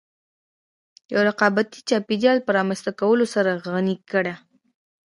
د يوه رقابتي چاپېريال په رامنځته کولو سره غني کړې.